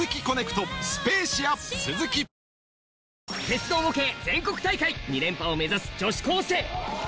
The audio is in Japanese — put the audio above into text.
鉄道模型全国大会２連覇を目指す女子高生！